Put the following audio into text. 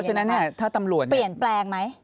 ฉะนั้นถ้าตำรวจเปลี่ยนแปลงไหม